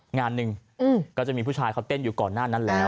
งานหนึ่งก็จะมีผู้ชายเขาเต้นอยู่ก่อนหน้านั้นแล้ว